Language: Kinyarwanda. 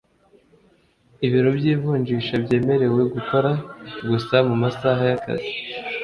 ibiro by’ivunjisha byemerewe gukora gusa mu masaha y’akazi